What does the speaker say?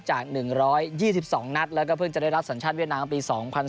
จาก๑๒๒นัดแล้วก็เพิ่งจะได้รับสัญชาติเวียดนามปี๒๐๑๘